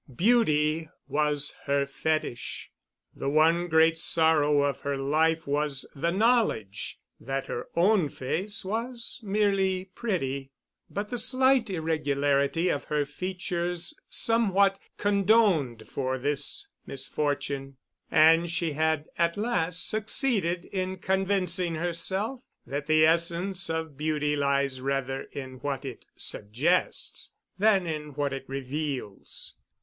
Beauty was her fetich. The one great sorrow of her life was the knowledge that her own face was merely pretty; but the slight irregularity of her features somewhat condoned for this misfortune, and she had at last succeeded in convincing herself that the essence of beauty lies rather in what it suggests than in what it reveals.